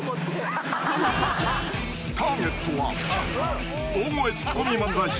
［ターゲットは］